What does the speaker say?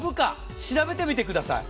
調べてみてください。